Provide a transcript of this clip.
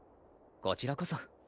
こちらこそ